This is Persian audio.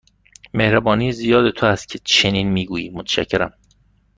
مهربانی زیاد تو است که چنین می گویی، متشکرم.